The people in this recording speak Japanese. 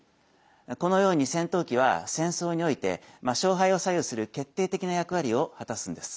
このように戦闘機は戦争において勝敗を左右する決定的な役割を果たすんです。